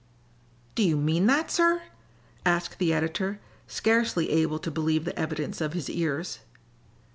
"Do you mean that, sir?" asked the editor, scarcely able to believe the evidence of his ears.